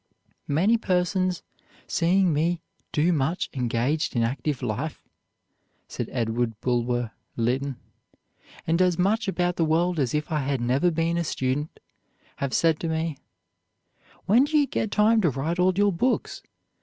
"Many persons seeing me so much engaged in active life," said Edward Bulwer Lytton, "and as much about the world as if I had never been a student, have said to me, 'When do you get time to write all your books?